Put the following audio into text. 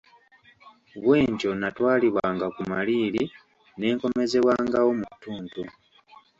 Bwentyo natwalibwanga ku maliiri ne nkomezebwangawo mu ttuntu.